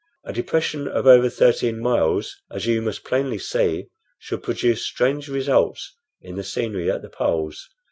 A depression of over thirteen miles, as you must plainly see, should produce strange results in the scenery at the poles.